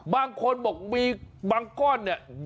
บางคนบอกมีบางก้อนเนี่ย